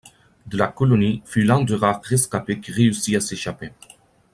De la Colonie fut l'un des rares rescapés qui réussit à s'échapper.